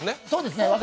そうですね。